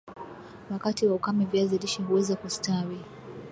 Wakati wa ukame viazi lishe huweza kustawi